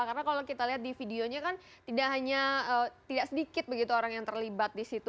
karena kalau kita lihat di videonya kan tidak sedikit orang yang terlibat di situ